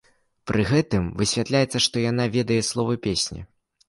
Пры гэтым высвятляецца, што яна ведае словы песні!